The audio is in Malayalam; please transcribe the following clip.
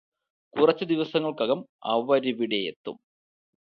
കുറച്ചു ദിവസങ്ങള്ക്കകം അവരിവിടെയെത്തും